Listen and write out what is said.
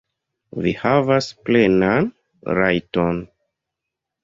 Vi havas plenan rajton.